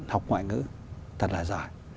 học ngoại ngữ thật là giỏi